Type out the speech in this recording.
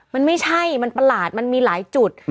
มันไม่ใช่มันประหลาดมันมีหลายจุด